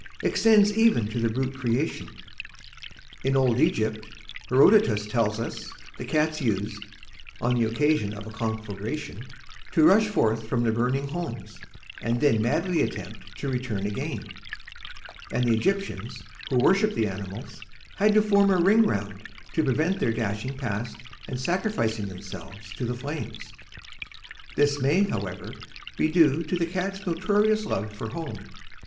extends even to the brute creation. In old Egypt, Herodotus tells us, the cats used on the occasion of a conflagration to rush forth from their burning homes, and then madly attempt to return again; and the Egyptians, who worshipped the animals, had to form a ring round to prevent their dashing past and sacrificing themselves to the flames. This may, however, be due to the cat's notorious love for home.